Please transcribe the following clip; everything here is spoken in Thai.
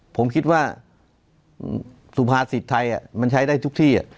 ผมคิดว่าสุภาษิตไทยมันใช้ได้ทุกที่